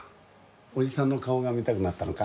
おじさんの顔が見たくなったのか？